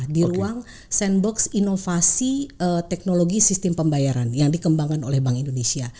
di ruang sandbox inovasi teknologi sistem pembayaran yang dikembangkan oleh bank indonesia